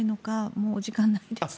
もうお時間なんですが。